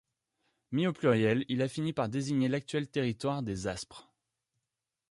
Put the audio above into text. Mis au pluriel, il a fini par désigner l'actuel territoire des Aspres.